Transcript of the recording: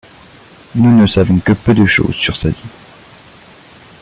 Nous ne savons que peu de choses sur sa vie.